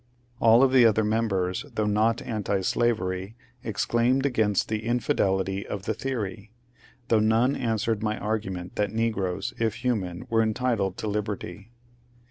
All of the other members, though not antislavery, exclaimed against the " infidelity " of the theory, though none answered my argu ment that negroes, if human, were entitled to liberty.